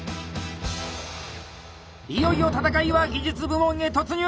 いよいよ戦いは技術部門へ突入！